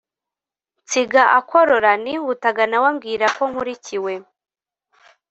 nsiga akorora nihutaga nawe ambwirako nkurikiwe